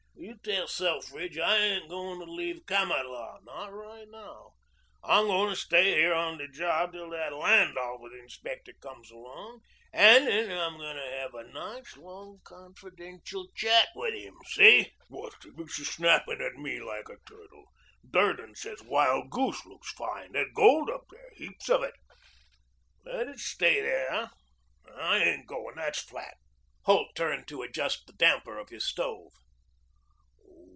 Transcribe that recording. "You tell Selfridge I ain't going to leave Kamatlah not right now. I'm going to stay here on the job till that Land Office inspector comes and then I'm going to have a nice, long, confidential chat with him. See?" "What's the use of snapping at me like a turtle? Durden says Wild Goose looks fine. There's gold up there heaps of it." "Let it stay there, then. I ain't going. That's flat." Holt turned to adjust the damper of his stove.